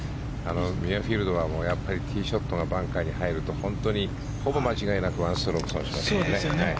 ミュアフィールドはやっぱりティーショットがバンカーに入ると本当にほぼ間違いなく１ストローク損します。